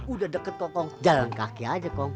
udah deket kok kong jalan kaki aja kong